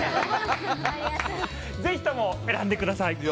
ぜひとも選んでください！